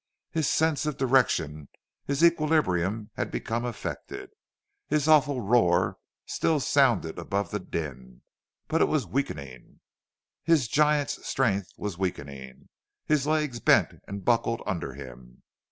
His sense of direction, his equilibrium, had become affected. His awful roar still sounded above the din, but it was weakening. His giant's strength was weakening. His legs bent and buckled under him.